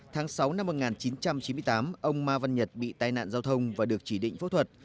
tháng sáu năm một nghìn chín trăm chín mươi tám ông ma văn nhật bị tai nạn giao thông và được chỉ định phẫu thuật